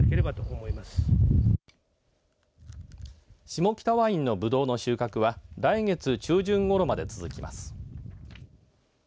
下北ワインのぶどうの収穫は来月中旬ごろまで続きます。